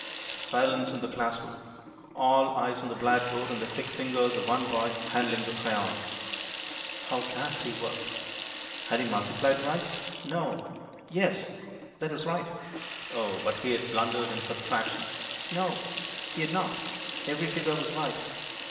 Silence in the class room. All eyes on the blackboard, and the quick fingers of one boy handling the crayon. How fast he worked! Had be multiplied right? No. Yes, that was right. O, but he had blundered in subtraction! No, he had not; every figure was right.